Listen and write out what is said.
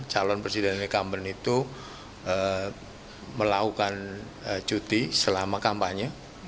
calon presiden incumbent itu melakukan cuti selama kampanye